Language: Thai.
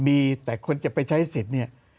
มีแต่คนจะไปใช้เสร็จเนี่ย